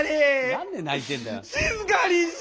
何で泣いてんだよ。